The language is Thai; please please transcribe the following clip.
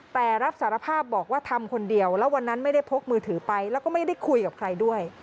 แต่รับสารภาพบอกว่าทำคนเดียวแล้ววันนั้นไม่ได้พกมือถือไปแล้วก็ไม่ได้คุยกับใครด้วย